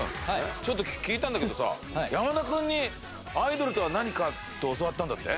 ちょっと聞いたんだけどさ山田君にアイドルとは何かって教わったんだって？